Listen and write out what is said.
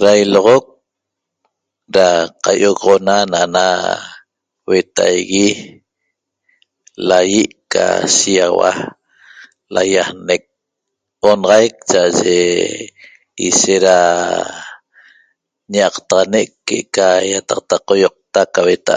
Da iloxoq da caioxona na ena huetaague lahie ca shexaua laiaxnec onaxaiq chaaye ishet da nyactaxane que eca yataqta caioqta qaueta